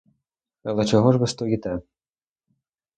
Але чого ж ви стоїте?